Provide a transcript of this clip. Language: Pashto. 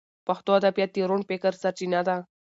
پښتو ادبیات د روڼ فکر سرچینه ده.